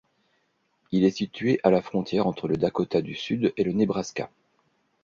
Il est situé à la frontière entre le Dakota du Sud et le Nebraska.